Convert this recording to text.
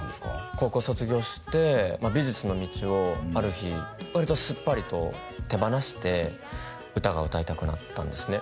高校卒業して美術の道をある日割とすっぱりと手放して歌が歌いたくなったんですね